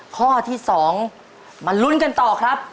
ข้อที่๒มาลุ้นกันต่อครับ